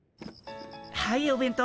はいお弁当。